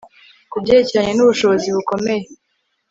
ku byerekeranye nubushobozi bukomeye